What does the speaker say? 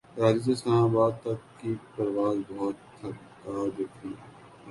کراچی سے اسلام آباد تک کی پرواز بہت تھکا دینے والی ہے